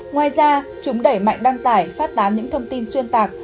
ngoài ra chúng đẩy mạnh đăng tải phát tán những thông tin xuyên tạc